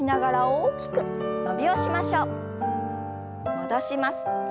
戻します。